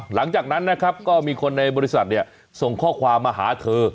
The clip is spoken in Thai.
หลังจากนั้นนะครับก็มีคนในบริษัทส่งข้อความมาหาเธอ